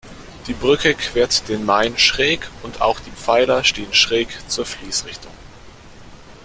Die Brücke quert den Main schräg und auch die Pfeiler stehen schräg zur Fließrichtung.